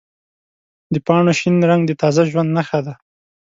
د پاڼو شین رنګ د تازه ژوند نښه ده.